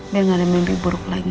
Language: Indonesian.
biar nggak ada mimpi buruk lagi